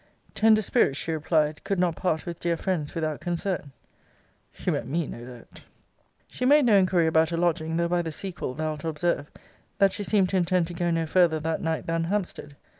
'Tender spirits, she replied, could not part with dear friends without concern.' She meant me, no doubt. 'She made no inquiry about a lodging, though by the sequel, thou'lt observe, that she seemed to intend to go no farther that night than Hampstead.